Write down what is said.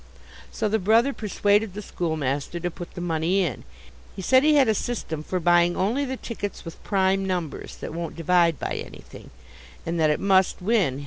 So the brother persuaded the schoolmaster to put the money in. He said he had a system for buying only the tickets with prime numbers, that won't divide by anything, and that it must win.